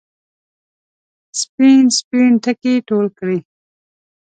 سپین، سپین ټکي ټول کړي